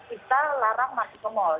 kita larang masuk ke mal